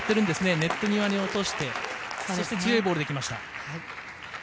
ネット際に落としてそして強いボールできました。